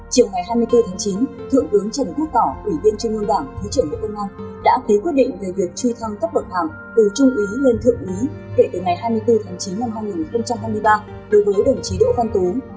chiều ngày hai mươi bốn tháng chín thượng bướng trần quốc tỏ ủy viên trung ngân đoàn thứ trưởng bộ công an đã ký quyết định về việc truy thăng các bậc phạm từ trung ý lên thượng ý kể từ ngày hai mươi bốn tháng chín năm hai nghìn hai mươi ba đối với đồng chí đỗ văn tú